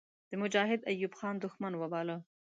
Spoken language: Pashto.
د مجاهد ایوب خان دښمن وباله.